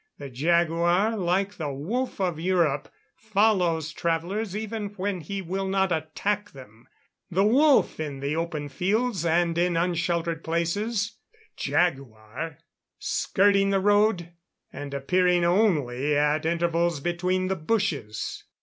The jaguar, like the wolf of Europe, follows travellers even when he will not attack them; the wolf in the open fields and in unsheltered places, the jaguar skirting the road, and appearing only at intervals between the bushes."